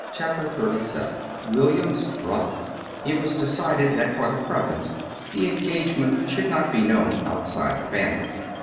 CHAPTER XXXVII "WILLIAM'S BROTHER" It was decided that for the present, the engagement should not be known outside the family.